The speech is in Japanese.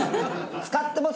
使ってます？